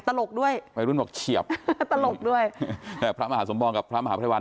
ตลกด้วยวัยรุ่นบอกเฉียบตลกด้วยแต่พระมหาสมปองกับพระมหาภัยวัน